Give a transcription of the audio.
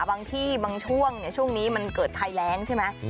บางที่บางช่วงช่วงนี้มันเกิดภัยแรงใช่ไหม